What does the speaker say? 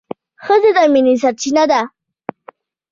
ښځه د مینې سرچینه ده.